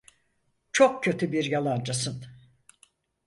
Çok kötü bir yalancısın.